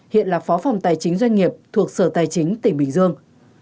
hiện là phó phòng tài chính doanh nghiệp thuộc sở tài chính tỉnh bình dương